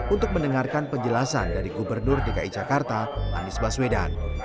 untuk mendengarkan penjelasan dari gubernur dki jakarta anies baswedan